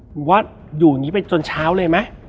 ผมว่าอยู่อย่างนี้ไปจนเช้าเลยไหม